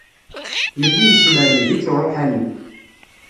Yelli yesmermed-itt uṛuḥani.